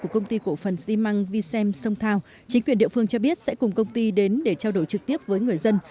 chính quyền địa phương cho biết sẽ cùng công ty đến để trao đổi trực tiếp với người dân